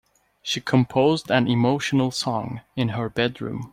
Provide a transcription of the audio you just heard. She composed an emotional song in her bedroom.